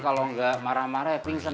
kalau nggak marah marah ya pingsan